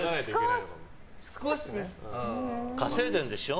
稼いでるんでしょ？